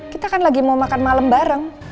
kita kan lagi mau makan malam bareng